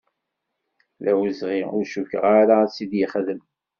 D awezɣi, ur cukkeɣ ara a tt-yexdem.